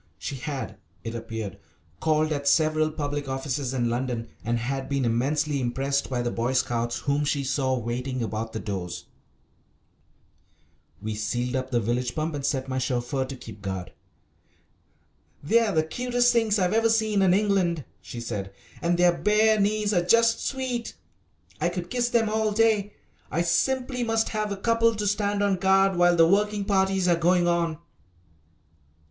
She had, it appeared, called at several public offices in London and had been immensely impressed by the Boy Scouts whom she saw waiting about the doors. [Illustration: We sealed up the village pump and set my chauffeur to keep guard] "They're the cutest things I've seen in England," she said, "and their bare knees are just sweet. I could kiss them all day. I simply must have a couple to stand on guard while the working parties are going on."